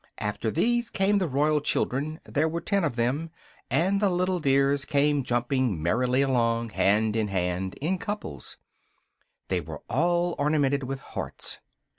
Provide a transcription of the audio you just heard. After these came the Royal children: there were ten of them, and the little dears came jumping merrily along, hand in hand, in couples: they were all ornamented with hearts.